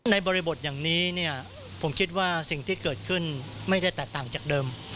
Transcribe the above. บริบทอย่างนี้เนี่ยผมคิดว่าสิ่งที่เกิดขึ้นไม่ได้แตกต่างจากเดิม